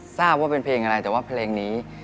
ทราบว่าเป็นเพลงอะไรแต่ว่าเพลงนี้